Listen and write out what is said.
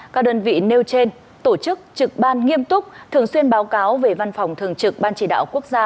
các đơn vị nêu trên tổ chức trực ban nghiêm túc thường xuyên báo cáo về văn phòng thường trực ban chỉ đạo quốc gia